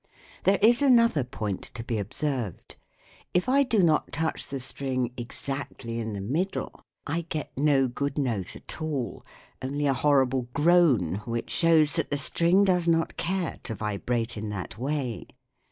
There is another point to be observed. If I do not touch the string exactly in the middle, I get no good note at all only a horrible groan, which shows that the string does not care to vibrate in that way.